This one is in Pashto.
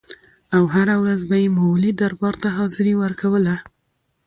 او هره ورځ به یې مغولي دربار ته حاضري ورکوله.